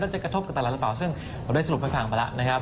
จะกระทบกับตลาดหรือเปล่าซึ่งผมได้สรุปให้ฟังไปแล้วนะครับ